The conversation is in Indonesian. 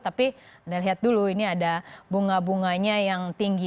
tapi anda lihat dulu ini ada bunga bunganya yang tinggi